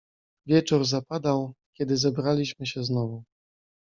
"Wieczór zapadał, kiedy zebraliśmy się znowu."